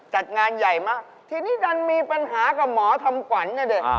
จัดงานใหญ่มากทีนี้ดันมีปัญหากับหมอทำขวัญนะดิ